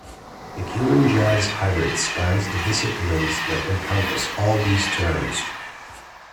The Cuban-jazz hybrid spans the disciplines that encompass all these terms.